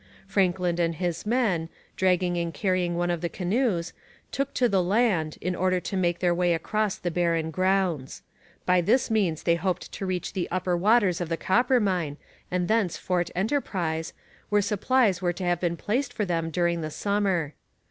Franklin and his men, dragging and carrying one of the canoes, took to the land, in order to make their way across the barren grounds. By this means they hoped to reach the upper waters of the Coppermine and thence Fort Enterprise, where supplies were to have been placed for them during the summer.